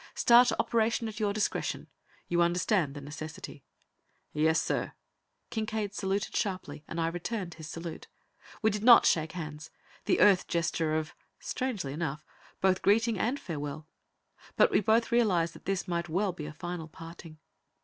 Start operation at your discretion; you understand the necessity." "Yes, sir!" Kincaide saluted sharply, and I returned his salute. We did not shake hands, the Earth gesture of strangely enough both greeting and farewell, but we both realized that this might well be a final parting.